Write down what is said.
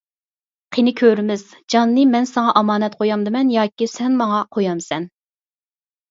قېنى كۆرىمىز، جاننى مەن ساڭا ئامانەت قويامدىمەن ياكى سەن ماڭا قويامسەن!